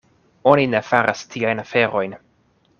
Oni ne faras tiajn aferojn.